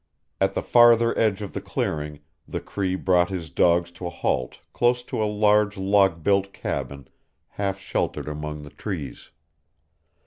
At the farther edge of the clearing the Cree brought his dogs to a halt close to a large log built cabin half sheltered among the trees.